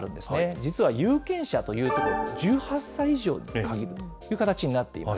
実は有権者ということで１８歳以上に限るという形になっています。